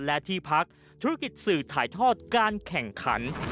และที่พักธุรกิจสื่อถ่ายทอดการแข่งขัน